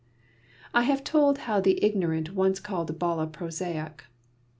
I have told how the ignorant once called Bala prosaic.